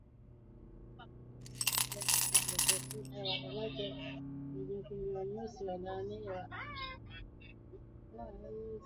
mkataba wa atlantiki ya kaskazini imesema vikosi hivyo vinatuma ujumbe kwa Moscow